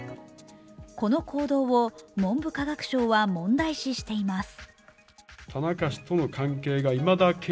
この行動を文部科学省は問題視しています。